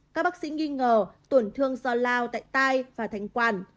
các bác sĩ nghi ngờ tổn thương do lao tại tai và thành quản